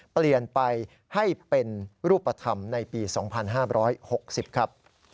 เปลี่ยนไปให้เป็นรูปธรรมในปี๒๕๖๐ครับ